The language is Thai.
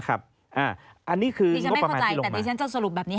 อันนี้คืองบประมาณที่ลงมาดิฉันไม่เข้าใจแต่ดิฉันจะสรุปแบบนี้